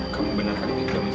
kamu benarkan minum ya mas